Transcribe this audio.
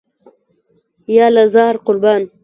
یاله زار، قربان.